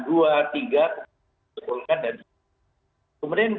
dua tiga sepuluhkan dan sebagainya